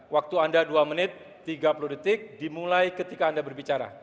waktu anda dua menit tiga puluh detik dimulai ketika anda berbicara